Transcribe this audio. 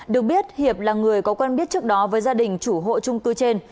được biết hiệp là người có quen biết trước đó với gia đình chủ hộ trung cư trên